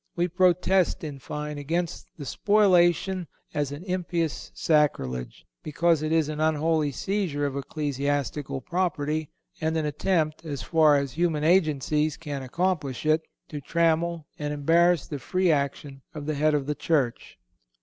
We protest, in fine, against the spoliation as an impious sacrilege, because it is an unholy seizure of ecclesiastical property, and an attempt, as far as human agencies can accomplish it, to trammel and embarrass the free action of the Head of the Church.